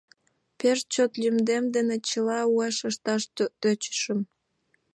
Пеш чот лӱдмем дене чыла уэш ышташ тӧчышым.